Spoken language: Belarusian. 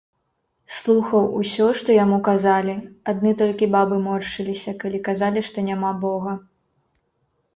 Слухаў усё, што яму казалі, адны толькі бабы моршчыліся, калі казалі, што няма бога.